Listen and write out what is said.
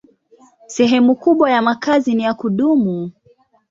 Sehemu kubwa ya makazi ni ya kudumu.